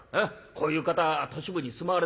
こういう方は都市部に住まわれない。